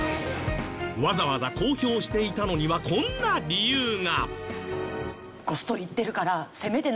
わざわざ公表していたのにはこんな理由が。